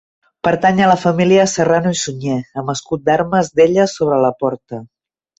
Pertany a la família Serrano i Sunyer, amb escut d'armes d'elles sobre la porta.